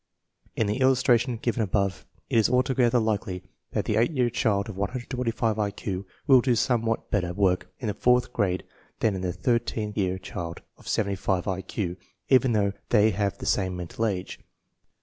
In the illustration given above, it is altogether likely that the eight year child of 125 I Q will do somewhat better work in the fourth grade than the thirteen year child of 75 I Q, even though they have the same men tal age.